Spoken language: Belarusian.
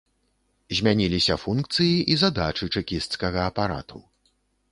Змяніліся функцыі і задачы чэкісцкага апарату.